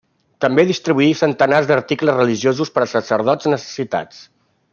També distribuí centenars d'articles religiosos per a sacerdots necessitats.